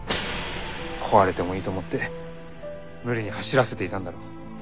壊れてもいいと思って無理に走らせていたんだろ。